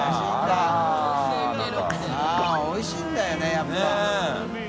△おいしいんだよねやっぱ。ねぇ。